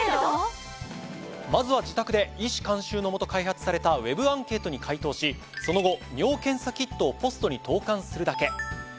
まずは自宅で医師監修のもと開発されたＷＥＢアンケートに回答しその後尿検査キットをポストに投函するだけ。